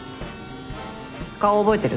顔覚えてる？